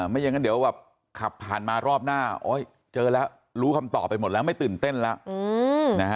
ไม่อย่างนั้นเดี๋ยวแบบขับผ่านมารอบหน้าเจอแล้วรู้คำตอบไปหมดแล้วไม่ตื่นเต้นแล้ว